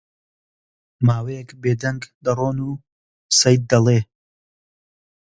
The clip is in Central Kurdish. ماوەیەک بێ دەنگ دەڕۆن و سەید دەڵێ: